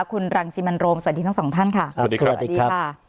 คุณรังสิมันโรมสวัสดีทั้งสองท่านค่ะสวัสดีค่ะ